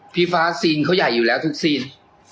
พี่ฟ้าย่าง